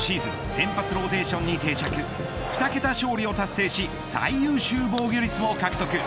先発ローテーションに定着２桁勝利を達成し最優秀防御率も獲得。